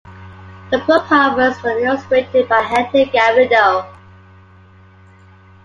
The book covers were illustrated by Hector Garrido.